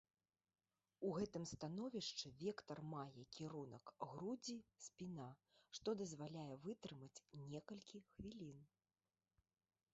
У гэтым становішчы вектар мае кірунак грудзі-спіна, што дазваляе вытрымаць некалькі хвілін.